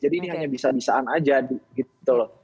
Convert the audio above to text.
jadi ini hanya bisa bisaan aja gitu loh